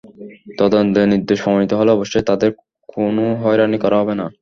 তদন্তে নির্দোষ প্রমাণিত হলে অবশ্যই তাঁদের কোনো হয়রানি করা হবে না।